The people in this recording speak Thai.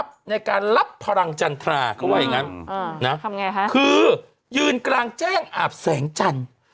เขาว่าอย่างงั้นนะทำไงฮะคือยืนกลางแจ้งอาบแสงจันทร์